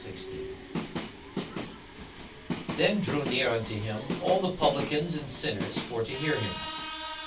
42:015:001 Then drew near unto him all the publicans and sinners for to hear him.